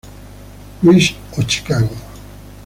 Louis o Chicago.